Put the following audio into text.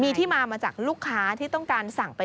มีที่มามาจากลูกค้าที่ต้องการสั่งไป